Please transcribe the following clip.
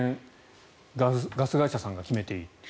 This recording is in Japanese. ガス会社さんが上限を決めている。